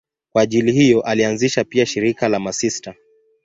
Kwa ajili hiyo alianzisha pia shirika la masista.